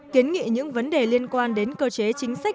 kiến nghị những vấn đề liên quan đến cơ chế chính sách